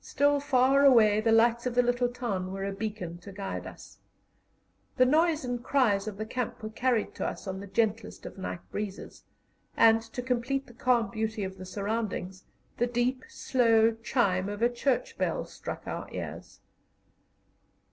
Still far away, the lights of the little town were a beacon to guide us. The noise and cries of the camp were carried to us on the gentlest of night breezes, and, to complete the calm beauty of the surroundings, the deep, slow chime of a church bell struck our ears.